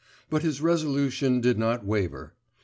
But his resolution did not waver.